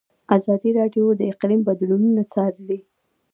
ازادي راډیو د اقلیم بدلونونه څارلي.